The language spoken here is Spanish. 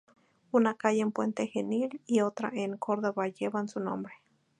Una calle en Puente Genil y otra en Córdoba llevan su nombre.